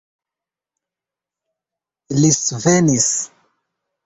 Li svenis.